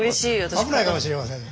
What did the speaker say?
危ないかもしれません。